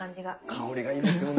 香りがいいですよね。